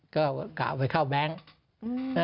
ก็เขาก็ไปเข้าแบงค์